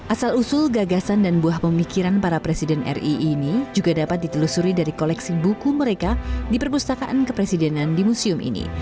asal usul gagasan dan buah pemikiran para presiden ri ini juga dapat ditelusuri dari koleksi buku mereka di perpustakaan kepresidenan di museum ini